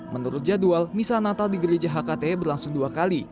menurut jadwal misa natal di gereja hkt berlangsung dua kali